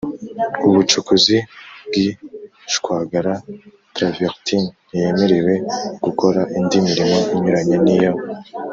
ubucukuzi bw ishwagara travertin Ntiyemerewe gukora indi mirimo inyuranye n iyo